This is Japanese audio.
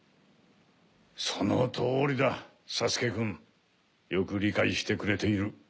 そのとおりだサスケくんよく理解してくれている。